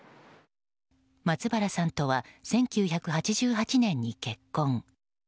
松原さんとは、１９８８年に結婚。